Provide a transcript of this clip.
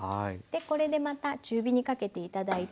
これでまた中火にかけて頂いて。